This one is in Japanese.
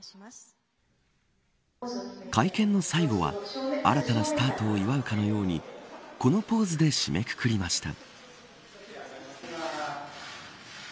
会見の最後は新たなスタートを祝うかのようにこのポーズで締めくくりました。